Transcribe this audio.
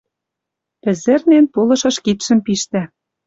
Пӹзӹрнен, пулышыш кидшӹм пиштӓ.